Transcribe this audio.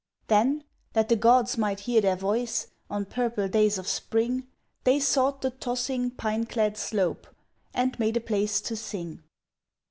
Then, that the gods might hear their voice On purple days of spring, They sought the tossing, pine clad slope And made a place to sing.